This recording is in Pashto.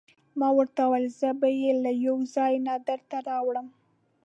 ما ورته وویل: زه به يې له یوه ځای نه درته راوړم.